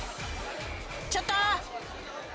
ちょっと！